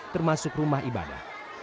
termasuk rumah ibadah